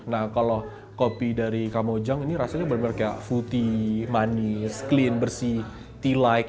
nah kalau kopi dari kamojang ini rasanya benar benar kayak putih manis clean bersih tike